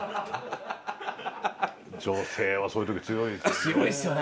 女性はそういう時強いですね。